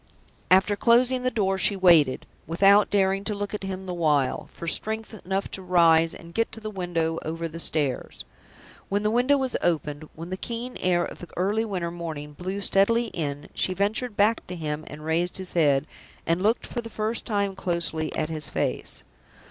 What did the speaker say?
After closing the door, she waited, without daring to look at him the while, for strength enough to rise and get to the window over the stairs. When the window was opened, when the keen air of the early winter morning blew steadily in, she ventured back to him and raised his head, and looked for the first time closely at his face.